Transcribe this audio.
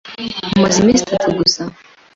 Mumaze iminsi itatu gusa.